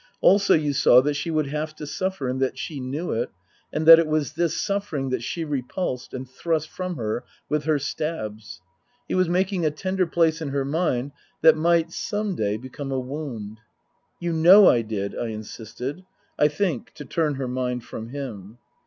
Also you saw that she would have to suffer, and that she knew it, and that it was this suffering that she repulsed and thrust from her with her stabs. He was making a tender place in her mind that might some day become a wound. " You know I did," I insisted I think, to turn her mind from him.